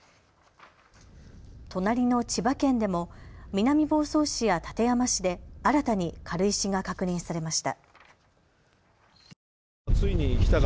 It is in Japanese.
隣の千葉県でも南房総市や館山市で新たに軽石が確認されました。